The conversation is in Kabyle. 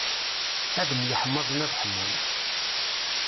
Ad myeḥmaẓen ad ḥmun.